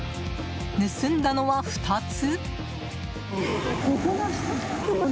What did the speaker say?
盗んだのは、２つ？